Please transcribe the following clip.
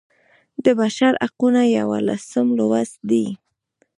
د بشر حقونه یوولسم لوست دی.